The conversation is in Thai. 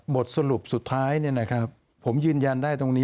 บทสรุปสุดท้ายเนี่ยนะครับผมยืนยันได้ตรงนี้